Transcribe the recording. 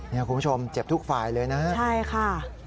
คุณผู้ชมเจ็บทุกฝ่ายเลยนะใช่ค่ะ